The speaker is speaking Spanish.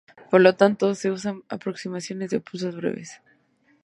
Por lo tanto, se usan aproximaciones de pulsos muy breves.